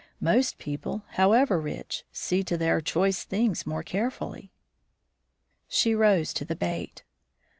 Most people, however rich, see to their choice things more carefully." She rose to the bait.